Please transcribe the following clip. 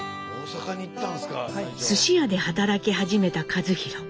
すし屋で働き始めた一寛。